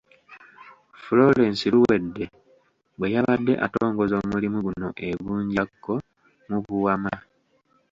Florence Luwedde, bwe yabadde atongoza omulimu guno e Bunjakko mu Buwama